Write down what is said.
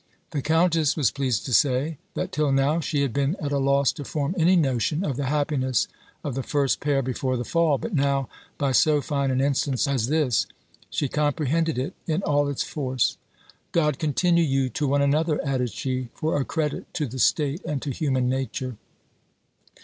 The countess was pleased to say, that till now she had been at a loss to form any notion of the happiness of the first pair before the Fall; but now, by so fine an instance as this, she comprehended it in all its force. "God continue you to one another," added she, "for a credit to the state, and to human nature."